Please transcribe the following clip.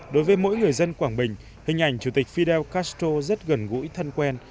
đối với mỗi người dân quảng bình hình ảnh chủ tịch fidel castro rất gần gũi thân quen